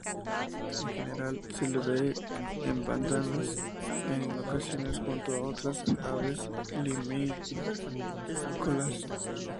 En general se le ve en bandadas, en ocasiones junto a otras aves limícolas.